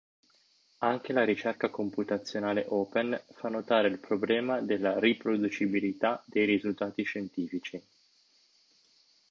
Anche la ricerca computazionale open fa notare il problema della riproducibilità dei risultati scientifici.